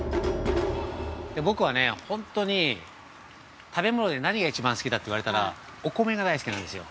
◆僕は本当に、食べ物で何が一番好きだって言われたらお米が大好きなんですよ。